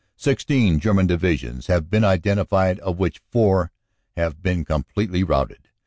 Sixteen German Divisions have been identi fied, of which four have been completely routed.